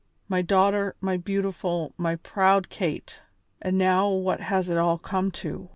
My daughter, my beautiful, my proud Kate! And now what has it all come to?